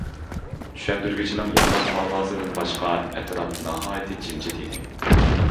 چۈشەندۈرگۈچىنىڭ ياڭراق ئاۋازىدىن باشقا، ئەتراپ ناھايىتى جىمجىت ئىدى.